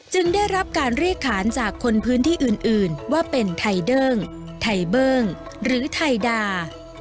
ได้รับการเรียกขานจากคนพื้นที่อื่นว่าเป็นไทเดิ้งไทเบิ้งหรือไทดา